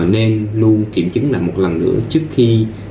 nên luôn kiểm chứng lại một lần nữa trước khi